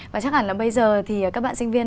và chắc hẳn là bây giờ thì các bạn sinh viên